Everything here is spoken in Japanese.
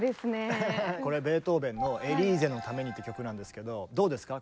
ベートーベンの「エリーゼのために」って曲なんですけどどうですか？